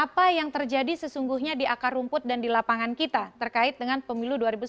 apa yang terjadi sesungguhnya di akar rumput dan di lapangan kita terkait dengan pemilu dua ribu sembilan belas